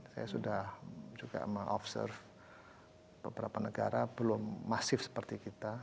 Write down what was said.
saya sudah juga mengobserve beberapa negara belum masif seperti kita